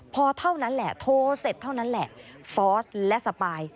พอเท่านั้นแหละโทรเสร็จเท่านั้นแหละฟอร์สและสปาย